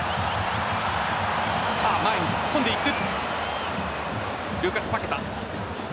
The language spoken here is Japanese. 前に突っ込んでいく。